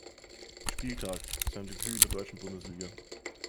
Spieltag, sein Debüt in der deutschen Bundesliga.